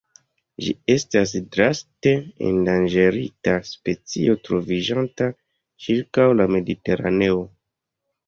Ĝi estas draste endanĝerita specio troviĝanta ĉirkaŭ la Mediteraneo.